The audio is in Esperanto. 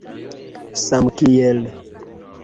samkiel